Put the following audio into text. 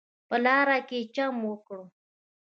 په لاره کې چم وکړ.